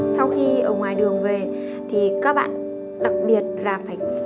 sau khi ở ngoài đường về thì các bạn đặc biệt là phải